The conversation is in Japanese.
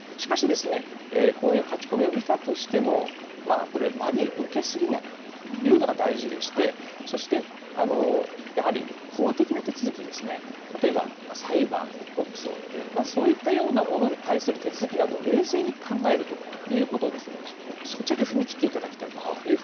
しかし、こういう書き込みを見たとしても、これ、真に受け過ぎないというのが大事でして、そしてやはり法的な手続きですね、例えば裁判、告訴、そういったようなものに対する手続きなどを冷静に考えるということを、そちらに踏み切っていただきたいというふう